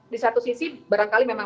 di satu sisi barangkali memang